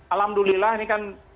alhamdulillah ini kan